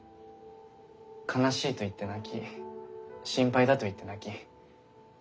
悲しいと言って泣き心配だと言って泣き